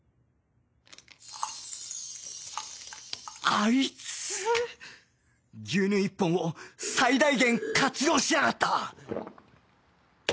あいつ牛乳一本を最大限活用しやがった！